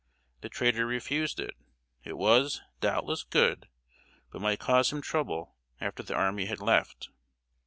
The trader refused it; it was, doubtless, good, but might cause him trouble after the army had left.